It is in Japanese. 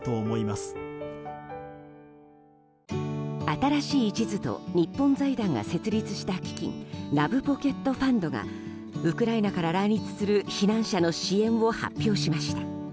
新しい地図と日本財団が設立した基金ＬＯＶＥＰＯＣＫＥＴＦＵＮＤがウクライナから来日する避難者の支援を発表しました。